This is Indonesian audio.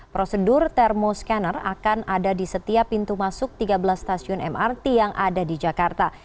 prosedur termoscanner akan ada di setiap pintu masuk tiga belas stasiun mrt yang ada di jakarta